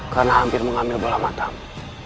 karena hampir mengambil bola matamu